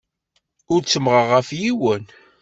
Ur ttemmɣeɣ ɣef yiwen.